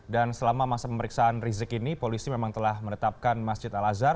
dan selama masa pemeriksaan rizik ini polisi memang telah menetapkan masjid al azhar